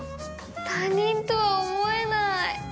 他人とは思えない！